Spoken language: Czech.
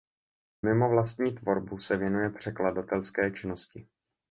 Mimo vlastní tvorbu se věnuje překladatelské činnosti.